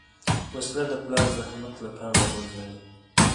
وسله د پلار زحمت له پامه غورځوي